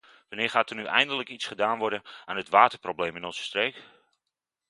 Wanneer gaat er nu eindelijk iets gedaan worden aan het waterprobleem in onze streek?